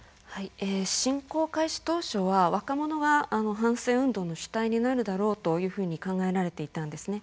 侵攻開始当初は若者が反戦運動の主体になるだろうと考えられていたんですね。